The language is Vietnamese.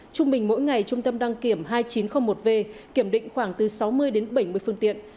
trung bình mỗi ngày trung tâm đăng kiểm hai nghìn chín trăm linh một v kiểm định khoảng từ sáu mươi đến bảy mươi phương tiện